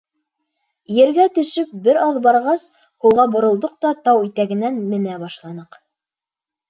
Ергә төшөп, бер аҙ барғас, һулға боролдоҡ та тау итәгенән менә башланыҡ.